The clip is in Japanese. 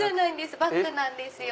バッグなんですよ。